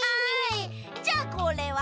じゃあこれは？